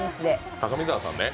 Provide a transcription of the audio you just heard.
高見沢さんね。